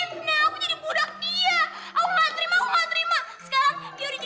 rangka tuh yang bentang bentang aku aku tuh gak terima